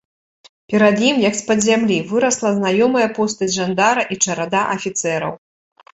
Перад ім, як з-пад зямлі, вырасла знаёмая постаць жандара і чарада афіцэраў.